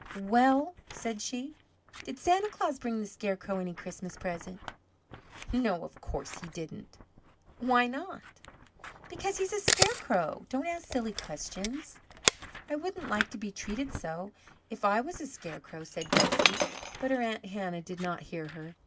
"Well?" said she. "Did Santa Claus bring the Scarecrow any Christmas present?" "No, of course he didn't." "Why not?" "Because he's a Scarecrow. Don't ask silly questions." "I wouldn't like to be treated so, if I was a Scarecrow," said Betsey, but her Aunt Hannah did not hear her.